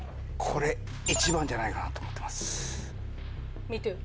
これ１番じゃないかなと思ってます